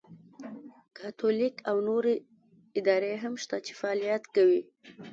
کاتولیک او نورې ادارې هم شته چې فعالیت کوي.